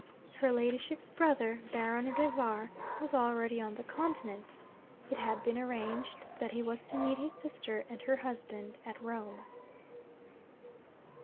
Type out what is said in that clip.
Her ladyship's brother, Baron Rivar, was already on the Continent. It had been arranged that he was to meet his sister and her husband at Rome.